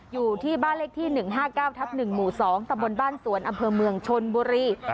อยู่ที่บ้านเลขที่หนึ่งห้าเก้าทับหนึ่งหมู่สองตำบลบ้านสวนอำเภอเมืองชนบุรี